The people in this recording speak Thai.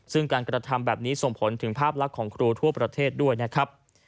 ซึ่งการกระทำแบบนี้ส่งผลถึงภาพลักษณ์ของครูทั่วประเทศด้วยนะครับ